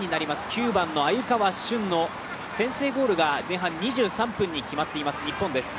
９番の鮎川峻の先制ゴールが前半２３分に決まっています日本です。